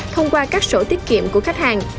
thông qua các sổ tiết kiệm của khách hàng